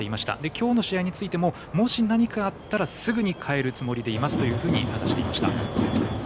今日の試合についてももし何かあったらすぐに代えるつもりでいますと話していました。